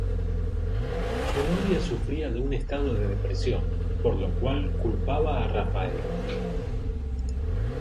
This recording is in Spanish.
Su novia sufría de un estado de depresión, por lo cual culpaba a Rafael.